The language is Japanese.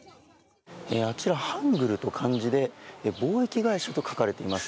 あちら、ハングルと漢字で貿易会社と書かれています。